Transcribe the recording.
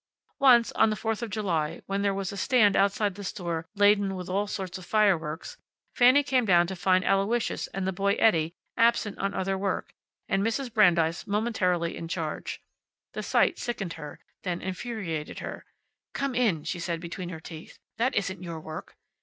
Once, on the Fourth of July, when there was a stand outside the store laden with all sorts of fireworks, Fanny came down to find Aloysius and the boy Eddie absent on other work, and Mrs. Brandeis momentarily in charge. The sight sickened her, then infuriated her. "Come in," she said, between her teeth. "That isn't your work."